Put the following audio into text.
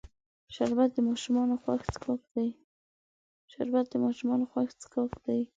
شربت د ماشومانو خوښ څښاک دی